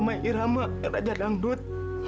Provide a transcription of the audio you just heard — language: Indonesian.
rumah iramah raja dangdut